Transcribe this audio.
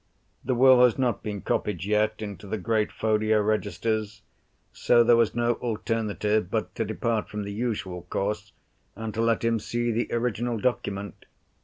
The Will has not been copied yet into the great Folio Registers. So there was no alternative but to depart from the usual course, and to let him see the original document.